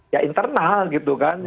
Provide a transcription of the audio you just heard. ya internal gitu kan